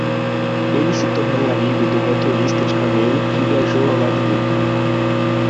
Ele se tornou amigo do motorista de camelo que viajou ao lado dele.